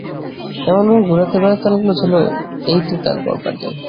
এমনভাবে ঘুরে বেড়াতে লাগল, যেন এইটি তার ঘরবাড়ি।